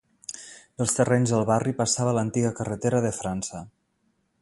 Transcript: Pels terrenys del barri passava l'antiga carretera de França.